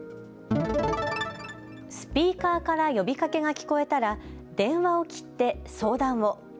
スピーカーから呼びかけが聞こえたら電話を切って相談を。